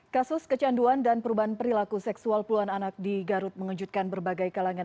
kasus kecanduan dan perubahan perilaku seksual puluhan anak di garut mengejutkan berbagai kalangan